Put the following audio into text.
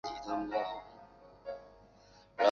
讲述林俊杰一起在巴黎发生的浪漫爱情故事。